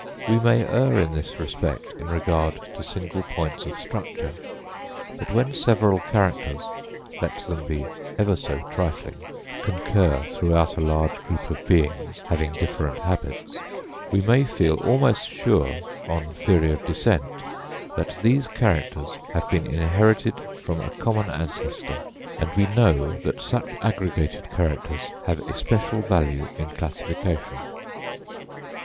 We may err in this respect in regard to single points of structure, but when several characters, let them be ever so trifling, concur throughout a large group of beings having different habits, we may feel almost sure, on the theory of descent, that these characters have been inherited from a common ancestor; and we know that such aggregated characters have especial value in classification.